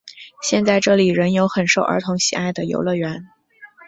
现在这里仍有很受儿童喜爱的游乐园。